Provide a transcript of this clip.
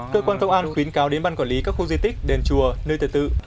cơ quan công an khuyến cáo đến ban quản lý các khu di tích đền chùa nơi thờ tự